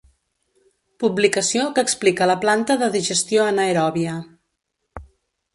Publicació que explica la planta de digestió anaeròbia.